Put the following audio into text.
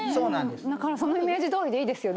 だからそのイメージどおりでいいですよ。